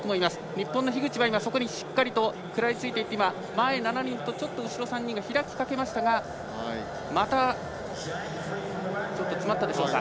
日本の樋口がしっかりと食らいついていって前７人と後ろ３人が開きかけましたがまた詰まったでしょうか。